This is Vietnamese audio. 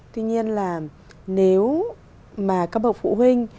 tuy nhiên là nếu mà các bậc phụ huynh